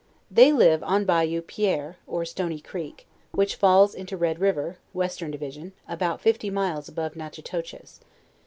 They live on Bayou Pierre, (or Stony creek) which falls into Red river, western division, about fifty miles above Natciiitoches.